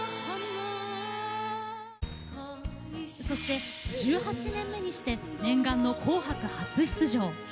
そして、１８年目にして念願の「紅白」初出場。